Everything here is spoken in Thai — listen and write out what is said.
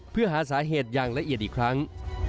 เพื่อหาสาเหตุอย่างละเอียดอีกครั้ง